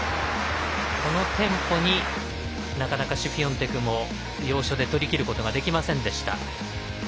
このテンポになかなかシフィオンテクも要所で取りきることができませんでした。